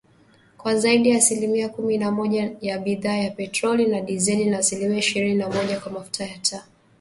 Kwa zaidi ya asilimia kumi na moja kwa bidhaa ya petroli na dizeli, na asilimia ishirini na moja kwa mafuta ya taa.